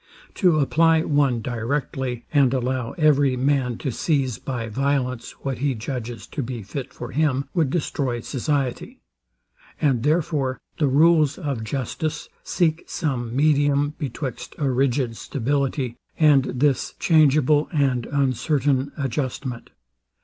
To apply one directly, and allow every man to seize by violence what he judges to be fit for him, would destroy society; and therefore the rules of justice seek some medium betwixt a rigid stability, and this changeable and uncertain adjustment.